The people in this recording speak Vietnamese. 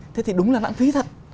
thế thì đúng là lạng phí thật